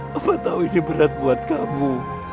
papa tau ini berat buat kamu